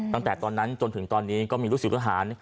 ตั้งแต่ตอนนั้นจนถึงตอนนี้ก็มีลูกศิษย์ทหาร